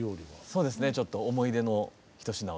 そうですねちょっと思い出の一品をじゃあ。